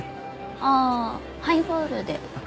ああハイボールで。